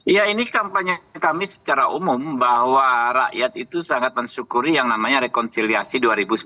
ya ini kampanye kami secara umum bahwa rakyat itu sangat mensyukuri yang namanya rekonsiliasi dua ribu sembilan belas